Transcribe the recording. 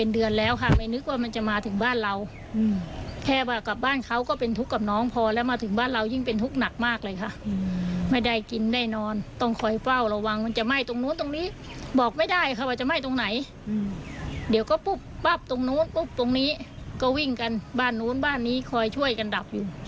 เดี๋ยวก็ปั๊ปตรงโน้นปั๊ปตรงนี้ก็วิ่งกันบ้านโน้นบ้านนี้คอยช่วยกันดับอยู่